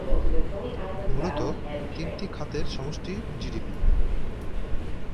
মূলত তিনটি খাতের সমষ্টি জিডিপি।